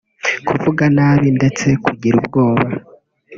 kuvuga nabi ndetse kugira ubwoba